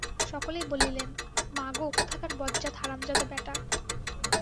সকলেই বলিলেন, মাগো, কোথাকার বজ্জাত হারামজাদা বেটা।